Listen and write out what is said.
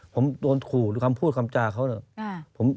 ผมโดนขู่อาจารย์แล้ว